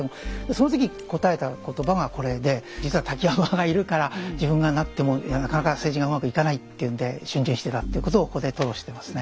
その時答えた言葉がこれで実は瀧山がいるから自分がなってもなかなか政治がうまくいかないっていうんで逡巡してたっていうことをここで吐露してますね。